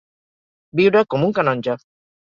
Viure com un canonge.